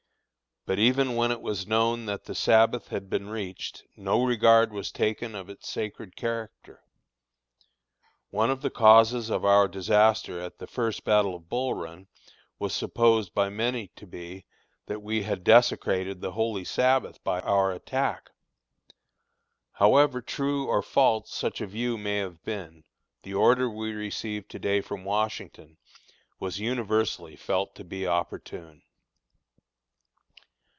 But even when it was known that the Sabbath had been reached, no regard was taken of its sacred character. One of the causes of our disaster at the first battle of Bull Run was supposed by many to be, that we had desecrated the holy Sabbath by our attack. However true or false such a view may have been, the order we received to day from Washington was universally felt to be opportune.